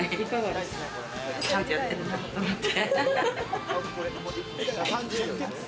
ちゃんとやってるなと思って。